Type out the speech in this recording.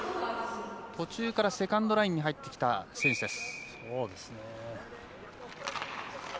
途中からセカンドラインに入ってきた選手。